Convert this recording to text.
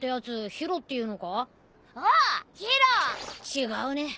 違うね。